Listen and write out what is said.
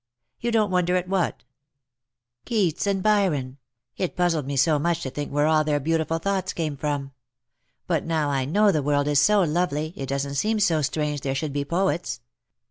" You don't wonder at what ?"" Keats and Byron. It puzzled me so much to think where all their beautiful thoughts came from. But now I know the world is so lovely, it doesn't seem so strange there should be poets.